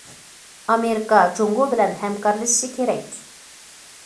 ئامېرىكا جۇڭگو بىلەن ھەمكارلىشىشى كېرەك.